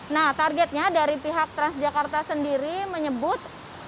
nah targetnya dari pihak transjakarta sendiri menyebut